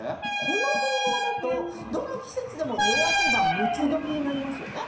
この方法だとどの季節でも夜明けが六つどきになりますよね。